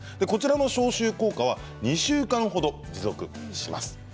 こちらの消臭効果は２週間ほど持続します。